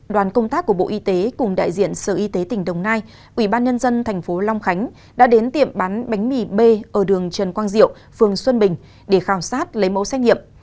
đoàn công tác của bộ y tế cùng đại diện sở y tế tỉnh đồng nai ubnd tp long khánh đã đến tiệm bán bánh mì b ở đường trần quang diệu phường xuân bình để khảo sát lấy mẫu xét nghiệm